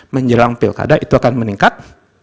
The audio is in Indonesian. menjelang pilkada itu akan meningkat